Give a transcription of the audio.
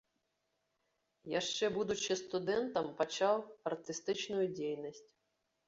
Яшчэ будучы студэнтам, пачаў артыстычную дзейнасць.